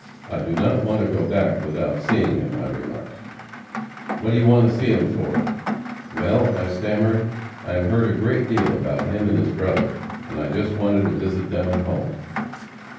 I do not want to go back without seeing him,' I remarked. 'What do you want to see him for?' 'Well,' I stammered, 'I have heard a great deal about him and his brother, and I just wanted to visit them at home.'